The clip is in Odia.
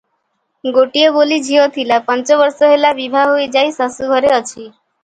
ଗୋଟିଏ ବୋଲି ଝିଅ ଥିଲା, ପାଞ୍ଚ ବର୍ଷହେଲା ବିଭା ହୋଇ ଯାଇ ଶାଶୁଘରେ ଅଛି ।